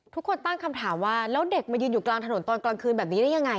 ทุกคนตั้งคำถามว่าแล้วเด็กมายืนอยู่กลางถนนตอนกลางคืนแบบนี้ได้ยังไง